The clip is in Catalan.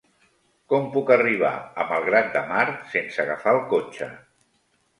Com puc arribar a Malgrat de Mar sense agafar el cotxe?